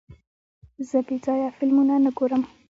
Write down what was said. زه بېځایه فلمونه نه ګورم.